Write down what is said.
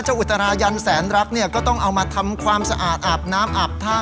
อุตรายันแสนรักเนี่ยก็ต้องเอามาทำความสะอาดอาบน้ำอาบท่า